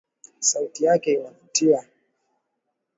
Sauti yake inavutia